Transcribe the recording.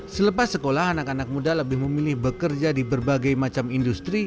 selepas sekolah anak anak muda lebih memilih bekerja di berbagai macam industri